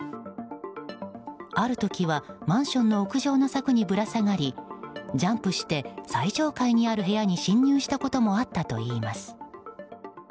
ある時はマンションの屋上の柵にぶら下がりジャンプして最上階にある部屋に侵入したこともあったといいます。